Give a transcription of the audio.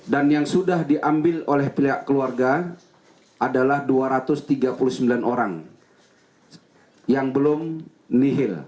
dan yang sudah diambil oleh pihak keluarga adalah dua ratus tiga puluh sembilan orang yang belum nihil